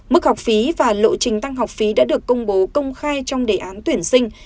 mức học phí và lộ trình tăng học phí đã được công bố công khai trong đề án tuyển sinh